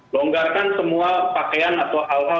longgarkan semua pakaian atau hal hal